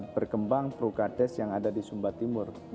berkembang prukades yang ada di sumba timur